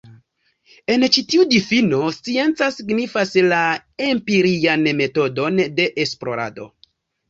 En ĉi tiu difino, scienca signifas la empirian metodon de esplorado.